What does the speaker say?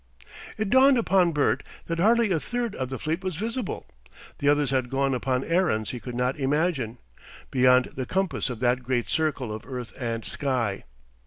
It dawned upon Bert that hardly a third of the fleet was visible. The others had gone upon errands he could not imagine, beyond the compass of that great circle of earth and sky.